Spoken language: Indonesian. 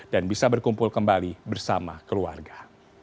dan bisa berkumpul kembali bersama keluarga